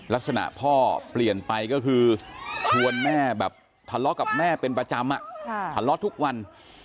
ลักษณะพ่อเปลี่ยนไปก็คือชวนแม่แบบทะเลาะกับแม่เป็นประจำทะเลาะทุกวัน